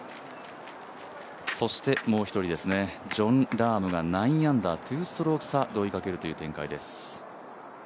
そしてもう一人、ジョン・ラームが９アンダー、２ストローク差で追いかける展開です。